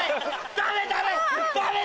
ダメダメ！